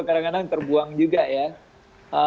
kadang kadang terbuang juga ya